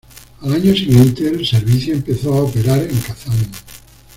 Al año siguiente el servicio empezó a operar en Kazán.